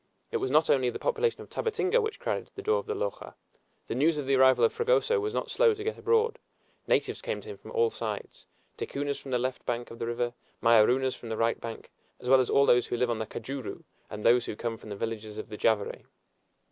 It was not only the population of Tabatinga which crowded to the door of the loja. The news of the arrival of Fragoso was not slow to get abroad; natives came to him from all sides: Ticunas from the left bank of the river, Mayorunas from the right bank, as well as those who live on the Cajuru and those who come from the villages of the Javary.